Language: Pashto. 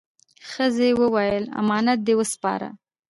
ښځه وویل: «امانت دې وسپاره؟»